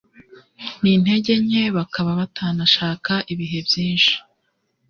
nintege nke bakaba batanashaka ibihe byinshi